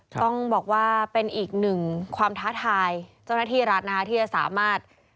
ต้องบอกว่าเป็นอีกหนึ่งความท้าทายเจ้าหน้าที่รัฐนะคะที่จะสามารถ